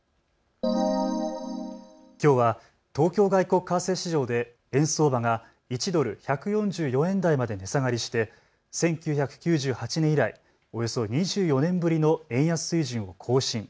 きょうは東京外国為替市場で円相場が１ドル１４４円台まで値下がりして１９９８年以来、およそ２４年ぶりの円安水準を更新。